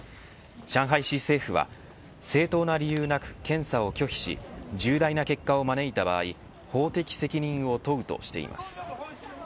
上海市政府は正当な理由なく検査を拒否し重大な結果を招いた場合法的責任を問うとしています。